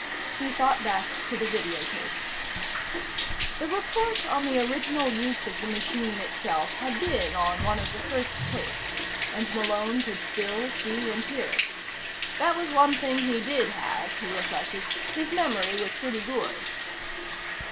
He thought back to the video tapes. The report on the original use of the machine itself had been on one of the first tapes, and Malone could still see and hear it. That was one thing he did have, he reflected; his memory was pretty good.